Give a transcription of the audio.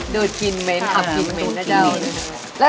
ได้ได้